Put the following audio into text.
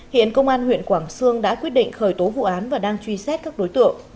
hiện công an huyện quảng xương đã quyết định khởi tố vụ án và đang truy xét các đối tượng